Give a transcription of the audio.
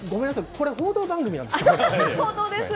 これ報道番組なんですね。